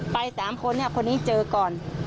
ไป๓คนคนนี้เจอก่อน